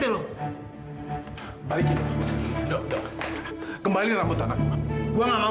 lepasin gua sekarang